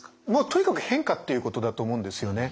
とにかく変化っていうことだと思うんですよね。